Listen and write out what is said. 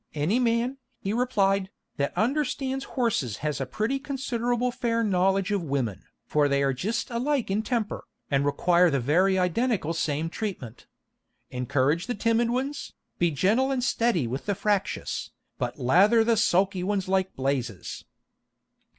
"Any man," he replied, "that understands horses has a pretty considerable fair knowledge of women, for they are jist alike in temper, and require the very identical same treatment. _Encourage the timid ones, be gentle and steady with the fractious, but lather the sulky ones like blazes.